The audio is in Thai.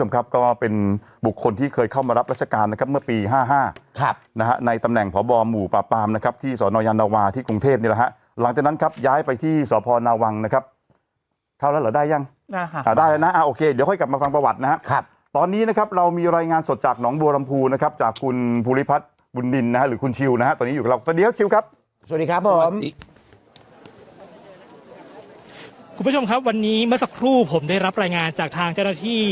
ก็เป็นบุคคลที่เคยเข้ามารับรัฐการณ์นะครับเมื่อปี๕๕นะฮะในตำแหน่งพบอหมู่ปราปาร์มนะครับที่สนยันวาสีกรุงเทพฯเนี้ยละฮะหลังจากนั้นครับย้ายไปที่สพนาวังนะครับเท่าแล้วหรอได้ยังล่ะฮะได้แล้วน่ะอ่าโอเคเดี๋ยวค่อยกลับมาฟังประวัตินะฮะครับตอนนี้นะครับเรามี